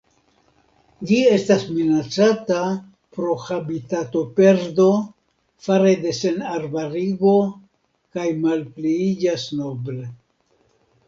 Ĝi estas minacata pro habitatoperdo fare de senarbarigo kaj malpliiĝas nombre.